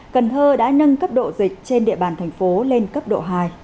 cần thơ đã nâng cấp độ dịch trên địa bàn thành phố lên cấp độ hai